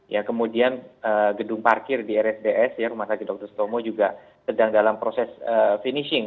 ya kemudian gedung parkir di rsds ya rumah sakit dr sutomo juga sedang dalam proses finishing